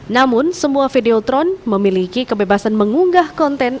namun semua videotron memiliki kebebasan mengunggah konten